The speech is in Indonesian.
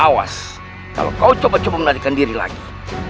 awas kalau kau coba menarikan diri lagi